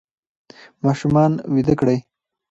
ماشومان ویده کړئ.